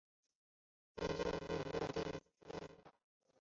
顺天府乡试第一百名。